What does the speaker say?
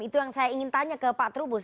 itu yang saya ingin tanya ke pak trubus